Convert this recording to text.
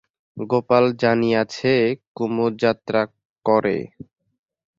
গোপাল জানিয়াছে কুমুদ যাত্রা করে।